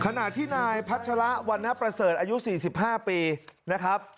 ขณะที่นายพัชระวรรณประเสริฐอายุ๔๕ปีนะครับ